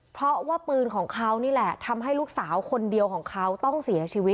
เพราะว่าปืนของเขานี่แหละทำให้ลูกสาวคนเดียวของเขาต้องเสียชีวิต